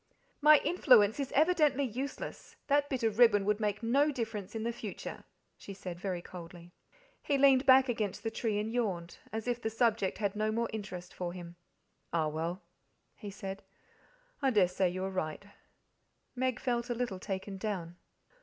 "My influence is evidently useless that bit of ribbon would make no difference in the future," she said very coldly. He leaned back against the tree and yawned, as if the subject had no more interest for him. "Ah well," he said, "I dare say you are right." Meg felt a little taken down.